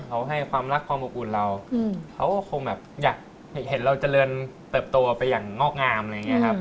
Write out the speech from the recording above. เขาให้ความรักความอบอุ่นเราเขาก็คงแบบอยากเห็นเราเจริญเติบโตไปอย่างงอกงามอะไรอย่างนี้ครับ